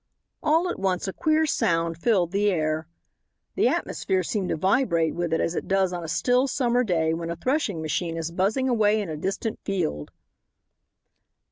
All at once a queer sound filled the air. The atmosphere seemed to vibrate with it as it does on a still summer day when a threshing machine is buzzing away in a distant field.